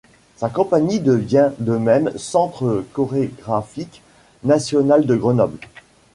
Sa compagnie devient de même Centre chorégraphique national de Grenoble.